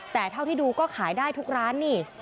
แต่เท่าที่ดูก็ขายได้ทุกร้านนี่